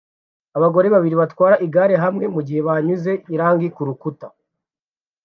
Abagore babiri batwara igare hamwe mugihe banyuze irangi kurukuta